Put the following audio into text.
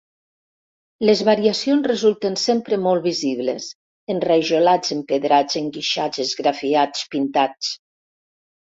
Les variacions resulten sempre molt visibles: enrajolats empedrats enguixats esgrafiats pintats...